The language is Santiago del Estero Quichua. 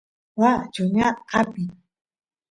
waa chuñar apin